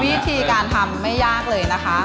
วิธีการทำไม่ยากเลยนะคะ